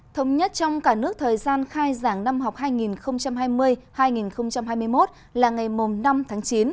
thống nhất trong cả nước thời gian khai giảng năm học hai nghìn hai mươi hai nghìn hai mươi một là ngày năm tháng chín